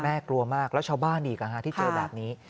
กลัวมากแล้วชาวบ้านอีกที่เจอแบบนี้